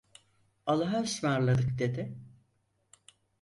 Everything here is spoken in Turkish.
"Allahaısmarladık!" dedi.